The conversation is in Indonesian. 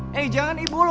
hei jangan ibu lo